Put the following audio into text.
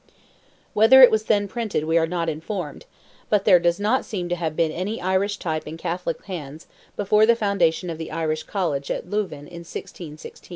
Whether it was then printed we are not informed, but there does not seem to have been any Irish type in Catholic hands before the foundation of the Irish College at Louvain in 1616.